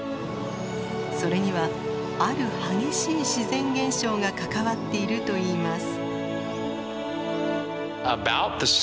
それにはある激しい自然現象が関わっているといいます。